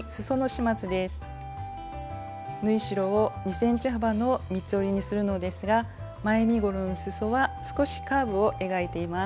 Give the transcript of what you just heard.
縫い代を２ｃｍ幅の三つ折りにするのですが前身ごろのすそは少しカーブを描いています。